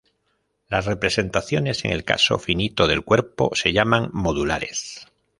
Las representaciones en el caso finito del cuerpo se llaman "modulares".